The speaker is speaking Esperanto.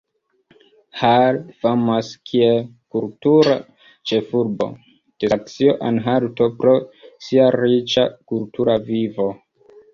Halle famas kiel "kultura ĉefurbo" de Saksio-Anhalto pro sia riĉa kultura vivo.